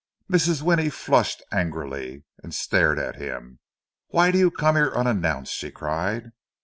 Mrs. Winnie flushed angrily, and stared at him. "Why do you come here unannounced?" she cried.